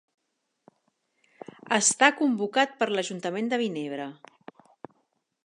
Està convocat per l'ajuntament de Vinebre.